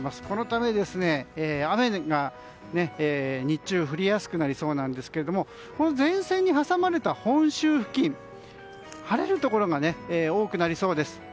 このため雨が日中降りやすくなりそうなんですが前線に挟まれた本州付近晴れるところが多くなりそうです。